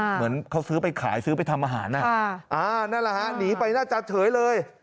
เหมือนเขาซื้อไปขายซื้อไปทำอาหารนั่นแหละฮะหนีไปน่าจะเฉยเลย